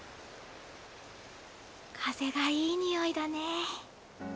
風がいい匂いだね。